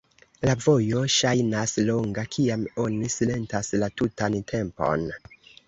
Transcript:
La vojo ŝajnas longa, kiam oni silentas la tutan tempon.